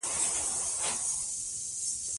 مېوې د افغانانو د ژوند طرز هم په پوره توګه اغېزمنوي.